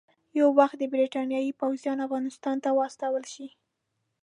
یو وخت د برټانیې پوځیان افغانستان ته واستول شي.